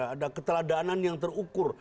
ada keteladanan yang terukur